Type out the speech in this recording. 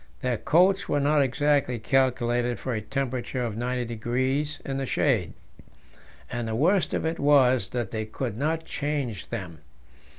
Their coats were not exactly calculated for a temperature of 90° in the shade, and the worst of it was that they could not change them.